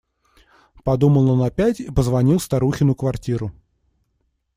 Подумал он опять и позвонил в старухину квартиру.